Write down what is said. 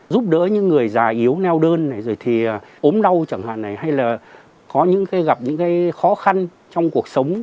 giúp đỡ những người già yếu neo đơn ốm đau chẳng hạn hay là gặp những khó khăn trong cuộc sống